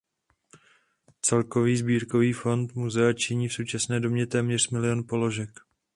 Celkový sbírkový fond muzea činí v současné době téměř milion položek.